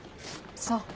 そう。